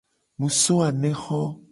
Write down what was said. Mu so anexo.